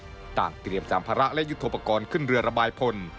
ต่างเตรียมสัมภาระและยุทธโปรกรณ์ขึ้นเรือระบายพล